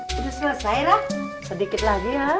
sudah selesai lah sedikit lagi